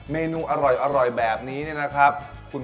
เมณูอร่อยอร่อยแบบนี้เลยนะครับ